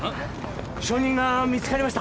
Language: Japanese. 証人が見つかりました。